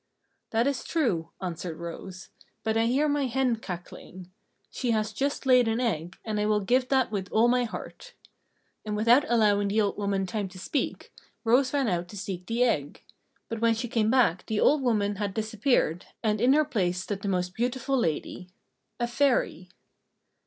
"That is true," answered Rose, "but I hear my hen cackling. She has just laid an egg, and I will give that with all my heart!" And without allowing the old woman time to speak, Rose ran out to seek the egg. But when she came back the old woman had disappeared, and in her place stood the most beautiful lady a Fairy.